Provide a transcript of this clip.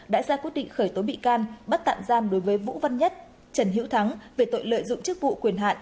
đã ra quyết định khởi tố bị can bắt tạm giam đối với vũ văn nhất trần hiễu thắng về tội lợi dụng chức vụ quyền hạn